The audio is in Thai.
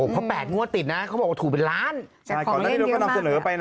หัวแผดงูอติดนะเขาบอกถูเป็นล้าน